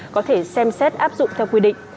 có thể xem xét áp dụng theo quy định